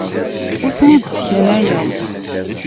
Ur ten-id-sskanayeɣ.